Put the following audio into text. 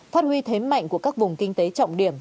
phát huy thế mạnh của các vùng kinh tế trọng điểm